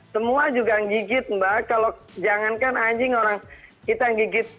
semua juga yang gigit mbak kalau jangankan anjing orang kita yang gigit